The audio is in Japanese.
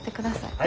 はい。